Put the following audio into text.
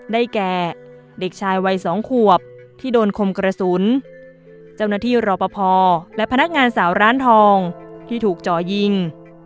ได้แก่เด็กชายวัยสองขวบที่โดนคมกระสุนเจ้าหน้าที่รอปภและพนักงานสาวร้านทองที่ถูกจ่อยิง